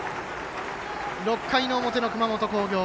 ６回の表の熊本工業。